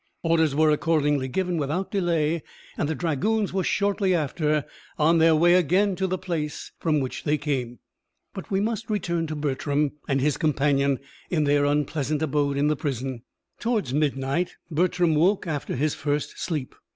Orders were accordingly given without delay, and the dragoons were shortly after on their way again to the place from which they came. But we must return to Bertram and his companion in their unpleasant abode, in the prison. Towards midnight Bertram woke after his first sleep.